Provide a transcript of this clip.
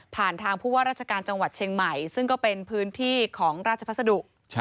ทางผู้ว่าราชการจังหวัดเชียงใหม่ซึ่งก็เป็นพื้นที่ของราชพัสดุ